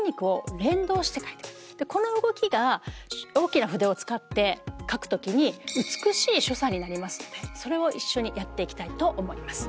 この動きが大きな筆を使って書くときに美しい所作になりますのでそれを一緒にやっていきたいと思います。